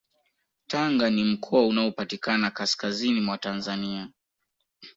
Tanga ni mkoa unaopatikana kaskazini mwa Tanzania